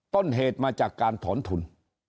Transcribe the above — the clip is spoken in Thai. ต้นเหตุมาจากการถอนทุน